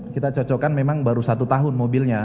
kita cocokkan memang baru satu tahun mobilnya